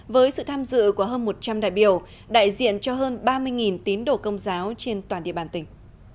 với sự tham dự của hơn một trăm linh đại biểu đại diện cho hơn ba mươi tín đồ công giáo trên toàn địa bàn tỉnh